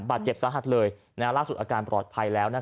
บาดเจ็บสะหัสเลยว่าสุดอาการปลอดภัยแล้วล่ะครับ